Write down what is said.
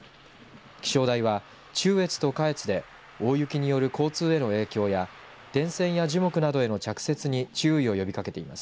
気象台は中越と下越で大雪による交通への影響や電線や樹木などへの着雪に注意を呼びかけています。